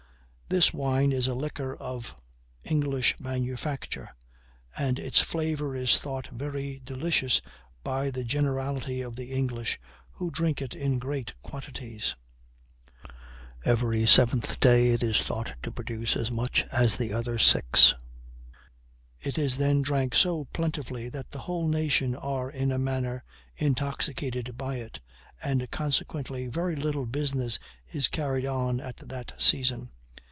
This wind is a liquor of English manufacture, and its flavor is thought very delicious by the generality of the English, who drink it in great quantities. Every seventh year is thought to produce as much as the other six. It is then drank so plentifully that the whole nation are in a manner intoxicated by it; and consequently very little business is carried on at that season.